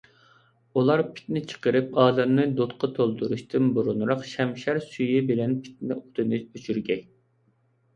ئۇلار پىتنە چىقىرىپ ئالەمنى دۇتقا تولدۇرۇشتىن بۇرۇنراق شەمشەر سۈيى بىلەن پىتنە ئوتىنى ئۆچۈرگەي.